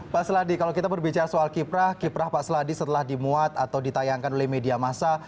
pak seladi kalau kita berbicara soal kiprah kiprah pak seladi setelah dimuat atau ditayangkan oleh media masa